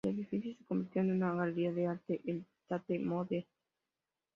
El edificio se convirtió en una galería de arte, el Tate Modern.